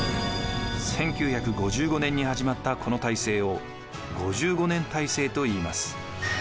１９５５年に始まったこの体制を「５５年体制」といいます。